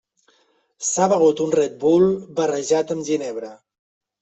S'ha begut un Red Bull barrejat amb ginebra.